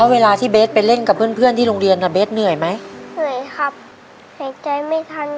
เวลาที่เบสไปเล่นกับเพื่อนที่โรงเรียนเบสเหนื่อยไหม